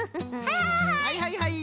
はいはいはい。